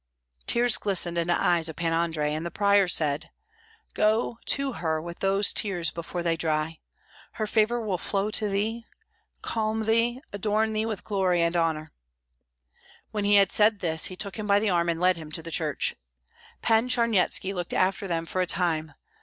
Tears glistened in the eyes of Pan Andrei, and the prior said, "Go to Her with those tears before they dry. Her favor will flow to thee, calm thee, comfort thee, adorn thee with glory and honor." When he had said this he took him by the arm and led him to the church. Pan Charnyetski looked after them for a time.